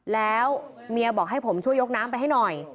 แล้วเมียบอกให้ผมช่วยยกน้ำไปให้หน่อย